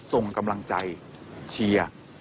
ส่งกำลังใจเชียร์